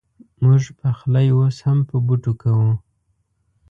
مونږ پخلی اوس هم په بوټو کوو